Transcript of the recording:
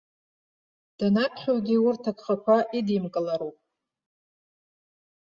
Данаԥхьауагьы урҭ агхақәа идимкылароуп.